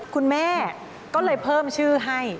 คุณแม่ก็เลยเพิ่มชื่อให้